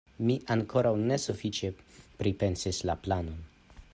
Mi ankoraŭ ne sufiĉe pripensis la planon.